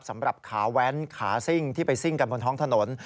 สำหรับขาแว้นขาซิ่งที่ไปซิ่งกันบนท้องถนน